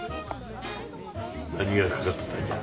何がかかっとったんじゃ？